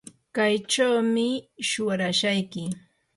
kaychawmi shuwarashayki.